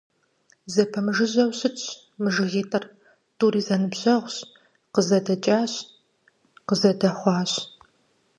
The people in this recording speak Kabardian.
Зэпэмыжыжьэу щытщ мы жыгитӀыр, тӀури зэныбжьщ, къызэдэкӀащ, къызэдэхъуащ.